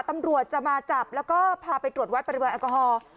ตำรวจจะมาจับแล้วก็พาไปตรวจวัดปริมาณแอลกอฮอล์